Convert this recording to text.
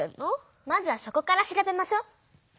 まずはそこから調べましょ。